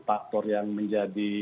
faktor yang menjadi